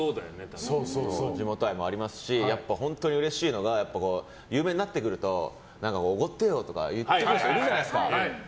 地元愛もありますし本当にうれしいのが有名になってくるとおごってよとか言ってくる人いるじゃないですか。